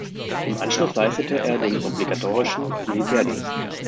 Im Anschluss leistete er den obligatorischen Militärdienst.